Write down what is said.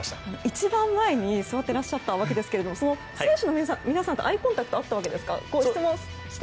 一番前に座っていらっしゃったわけですが選手の皆さんとアイコンタクトはあったんですか？